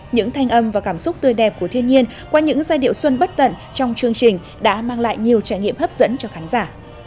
những thanh âm và cảm xúc tươi đẹp của thiên nhiên qua những giai điệu xuân bất tận trong chương trình đã mang lại nhiều trải nghiệm hấp dẫn cho khán giả